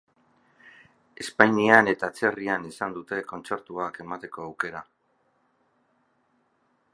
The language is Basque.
Espainian eta atzerrian izan dute kontzertuak emateko aukera.